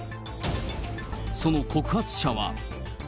その告発者は。